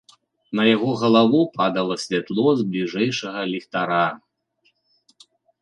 На яго галаву падала святло з бліжэйшага ліхтара.